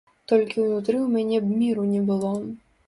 Толькі ўнутры ў мяне б міру не было.